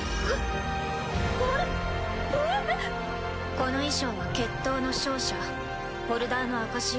この衣装は決闘の勝者ホルダーの証しよ。